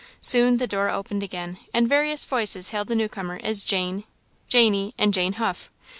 Soon the door opened again, and various voices hailed the new comer as "Jane," "Jany," and "Jane Huff."